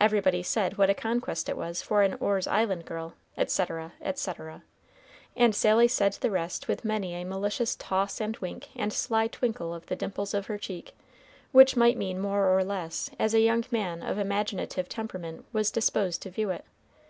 Everybody said what a conquest it was for an Orr's Island girl, etc., etc. And Sally said the rest with many a malicious toss and wink and sly twinkle of the dimples of her cheek, which might mean more or less, as a young man of imaginative temperament was disposed to view it.